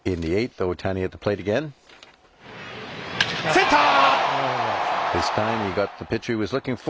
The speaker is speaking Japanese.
センター！